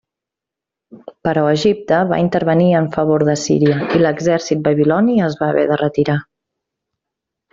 Però Egipte va intervenir en favor d'Assíria, i l'exèrcit babiloni es va haver de retirar.